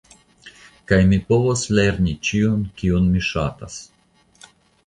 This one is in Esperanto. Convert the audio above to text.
Kaj mi povos lerni ĉion, kion mi ŝatas.